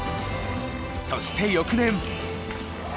そして翌年。